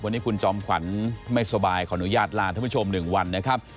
วันนี้คุณจอมขวัญไม่สบายขออนุญาตลาท่านผู้ชม๑วันนะครับ